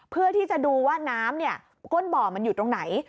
เพื่อที่จะดูว่าน้ำก้นบ่อมันอยู่ตรงไหน